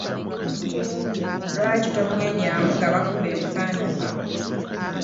Lwaki tomwenyamu nga bakukuba ebifaananyi?